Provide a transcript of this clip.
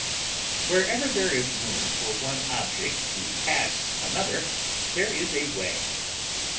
Wherever there is room for one object to pass another there is a way.